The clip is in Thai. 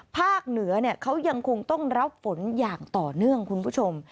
ภาคเหนือเขายังคงต้องรับฝนอย่างต่อเนื่องคุณผู้ชม